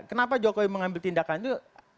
kenapa jokowi mengambil tindakan juga